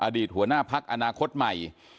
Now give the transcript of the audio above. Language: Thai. อดีตหัวหน้าพักอนาคตใหม่